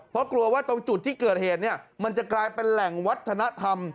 เพราะกลัวว่าตรงจุดที่เกิดเหตุเนี่ยมันจะกลายเป็นแหล่งวัฒนธรรม